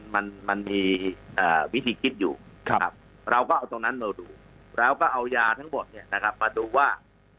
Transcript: มันมีวิธีคิดอยู่เราก็เอาตรงนั้นมาดูแล้วก็เอายาทั้งหมดมาดูว่า